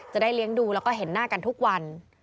จะได้เลี้ยงดูแล้วก็เห็นหน้ากันทุกวัน